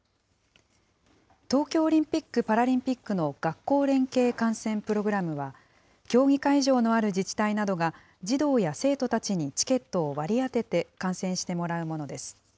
東京オリンピック・パラリンピックの学校連携観戦プログラムは、競技会場のある自治体などが、児童や生徒たちにチケットを割り当てて観戦してもらうものです。